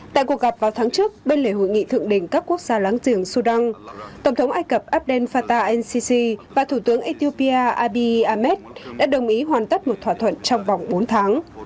tại cuộc gặp vào tháng trước bên lề hội nghị thượng đỉnh các quốc gia láng giềng sudan tổng thống ai cập abdel fattah el sisi và thủ tướng ethiopia abi ahmed đã đồng ý hoàn tất một thỏa thuận trong vòng bốn tháng